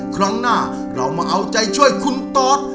ครั้งหน้าเรามาเอาใจช่วยคุณตอด